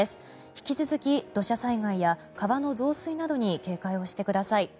引き続き、土砂災害や川の増水などに警戒してください。